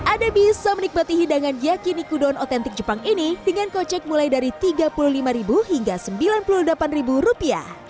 anda bisa menikmati hidangan yakiniku don otentik jepang ini dengan kocek mulai dari rp tiga puluh lima hingga rp sembilan puluh delapan